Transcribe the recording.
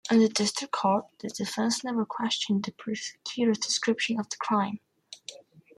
In the district court the defense never questioned the prosecutor's description of the crime.